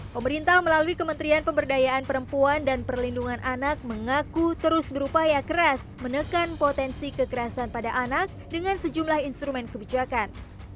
pemerintah melalui kementerian pemberdayaan perempuan dan perlindungan anak mengaku terus berupaya keras menekan potensi kekerasan pada anak dengan sejumlah instrumen kebijakan